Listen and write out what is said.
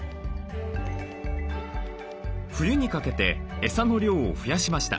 冬にかけてエサの量を増やしました。